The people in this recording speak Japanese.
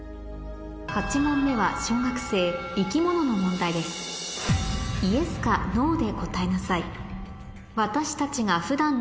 ８問目は小学生生き物の問題ですいやその。